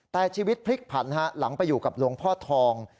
แต่ชีวิตพลิกผันหลังไปอยู่กับหลวงพ่อทอง